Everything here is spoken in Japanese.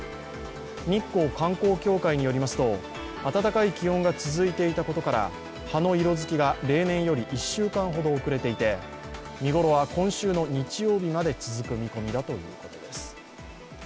日光観光協会によりますと暖かい気温が続いていたことから葉の色づきが例年より１週間ほど遅れていて見頃は今週の日曜日まで続く見込みだということです。